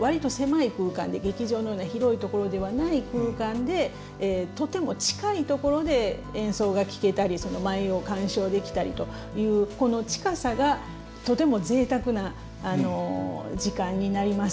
劇場のような広いところではない空間でとても近いところで演奏が聴けたり舞を鑑賞できたりというこの近さがとてもぜいたくな時間になります。